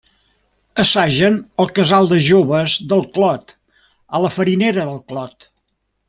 Assagen al Casal de Joves del Clot a la Farinera del Clot.